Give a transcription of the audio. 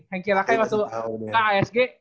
hengki lakai waktu ke asg